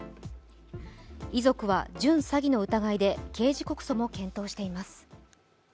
遺族は準詐欺の疑いで刑事告訴も検討しています。